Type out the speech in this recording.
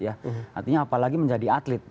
artinya apalagi menjadi atlet